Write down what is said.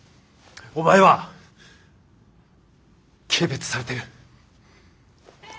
お前は軽蔑されてる。